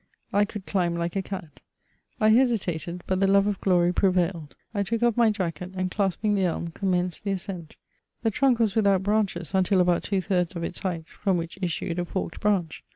I could climb like a cat. I hesitated, but the love of glory prevailed. I took oiF my jacket, and, clasping the dm, com menced the ascent. The trunk was without brandies until about two thirds of its height, firom which issued a forked branch.